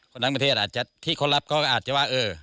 ทั้งประเทศอาจจะที่เขารับก็อาจจะว่าเออ